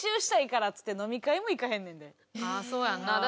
ああそうやんな。